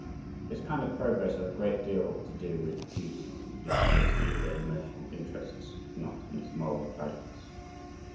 This kind of progress has a great deal to do with beauty at least in its deeper emotional interests, if not in its moral values.